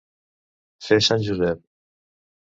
Fer sant Josep.